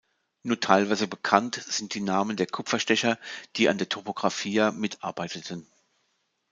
Nur teilweise bekannt sind die Namen der Kupferstecher, die an der „Topographia“ mitarbeiteten.